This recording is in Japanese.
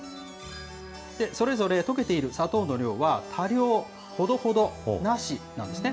それぞれ溶けている砂糖の量は多量、ほどほど、なしなんですね。